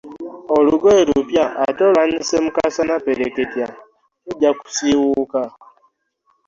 Olugoye lupya, ate alwanise mu kasana pereketya luggya kusiiwuuka.